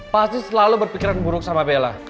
pasti selalu berpikiran buruk sama bella